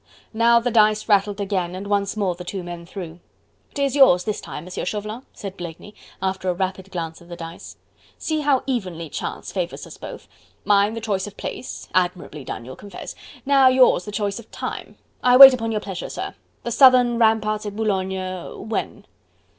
Now the dice rattled again and once more the two men threw. "'Tis yours this time, Monsieur Chauvelin," said Blakeney, after a rapid glance at the dice. "See how evenly Chance favours us both. Mine, the choice of place... admirably done you'll confess.... Now yours the choice of time. I wait upon your pleasure, sir.... The southern ramparts at Boulogne when?"